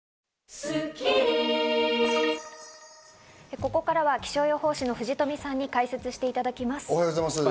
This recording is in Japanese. ここからは気象予報士の藤富さんに解説していただきます。